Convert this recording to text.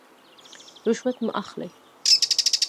رشوت مه اخلئ